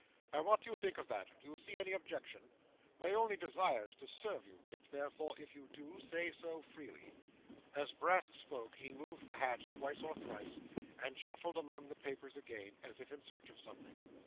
Now what do you think of that? Do you see any objection? My only desire is to serve you, Kit; therefore if you do, say so freely.' As Brass spoke, he moved the hat twice or thrice, and shuffled among the papers again, as if in search of something.